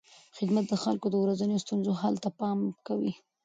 خدمت د خلکو د ورځنیو ستونزو حل ته پام کوي.